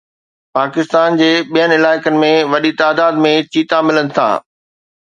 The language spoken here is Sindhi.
پاڪستان جي ٻين علائقن ۾ وڏي تعداد ۾ چيتا ملن ٿا